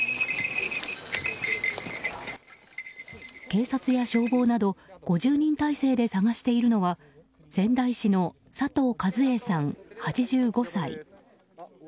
警察や消防など５０人態勢で捜しているのは仙台市の佐藤一榮さん、８５歳。